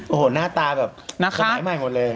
โอ้โหหน้าตาแบบสมัยใหม่หมดเลย